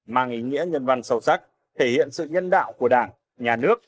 mang ý nghĩa nhân văn sâu sắc thể hiện sự nhân đạo của đảng nhà nước